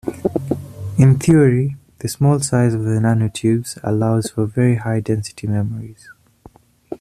In theory, the small size of the nanotubes allows for very high density memories.